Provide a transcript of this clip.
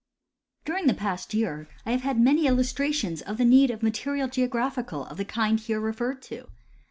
During the past year, I have had many illustrations of the need of material of geographical of the kind here referred to.